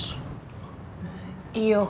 perkembangan itu lebih bagus